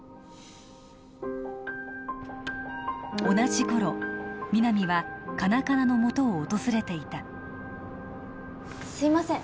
同じ頃皆実はカナカナのもとを訪れていたすいません